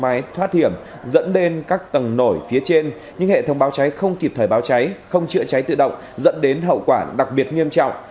máy thoát hiểm dẫn đến các tầng nổi phía trên nhưng hệ thống báo cháy không kịp thời báo cháy không chữa cháy tự động dẫn đến hậu quả đặc biệt nghiêm trọng